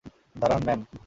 দাঁড়ান, ম্যাম।